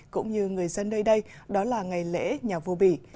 cũng như người dân nơi đây đó là ngày lễ nhà vua bỉ